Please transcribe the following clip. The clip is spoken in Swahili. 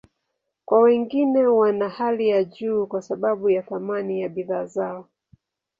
Kwa wengine, wana hali ya juu kwa sababu ya thamani ya bidhaa zao.